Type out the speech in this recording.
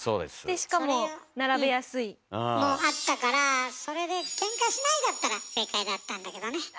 でしかも「並べやすい」。もあったからそれで「ケンカしない」だったら正解だったんだけどね。